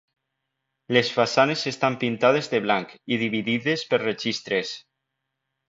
Les façanes estan pintades de blanc i dividides per registres.